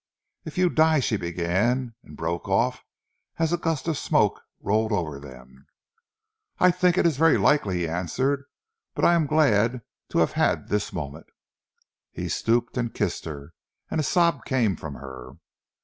"If you die " she began, and broke off as a gust of smoke rolled over them. "I think it is very likely," he answered. "But I am glad to have had this moment." He stooped and kissed her, and a sob came from her.